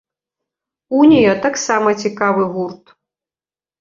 Унія таксама цікавы гурт!